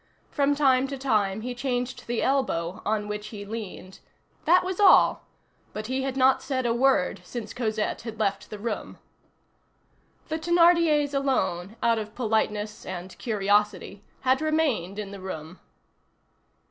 From time to time he changed the elbow on which he leaned. That was all; but he had not said a word since Cosette had left the room. The Thénardiers alone, out of politeness and curiosity, had remained in the room.